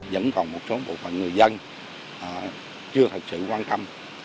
vẫn còn một số bộ phận người dân chưa thật sự quan tâm